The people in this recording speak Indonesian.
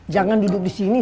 jangan duduk disini